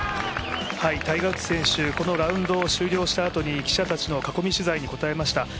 タイガー・ウッズ選手、このラウンドが終了したあとに記者たちの囲み取材に答えました。